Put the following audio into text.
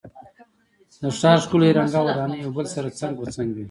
د ښار ښکلی رنګه ودانۍ یو بل سره څنګ په څنګ وې.